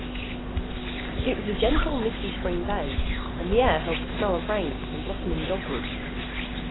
It was a gentle, misty spring day and the air held the smell of rain and blossoming dogwood.